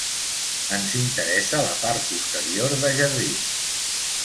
Ens interessa la part posterior, de jardins.